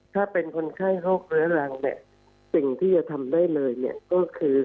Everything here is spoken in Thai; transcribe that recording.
ถ้าเป็นคนไข้โรคเรื้อรังเนี่ยสิ่งที่จะทำได้เลยเนี่ยก็คือ